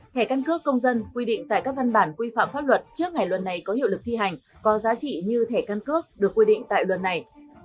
thẻ căn cước công dân quy định tại các văn bản quy phạm pháp luật trước ngày luật này có hiệu lực thi hành có giá trị như thẻ căn cước được quy định tại luật này